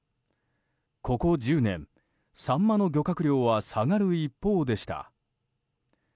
ここ１０年、サンマの漁獲量は下がる一方でした。